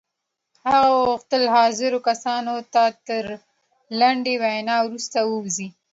هغه غوښتل حاضرو کسانو ته تر لنډې وينا وروسته ووځي.